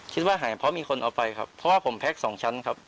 คิดว่าหายเพราะมีคนเอาไปครับเพราะว่าผมแพ็คสองชั้นครับ